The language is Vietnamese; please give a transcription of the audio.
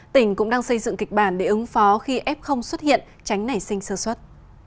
tỉnh cũng đang xây dựng kịch bản để ứng phó khi f xuất hiện tránh nảy sinh sơ xuất